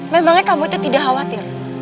memangnya kamu itu tidak khawatir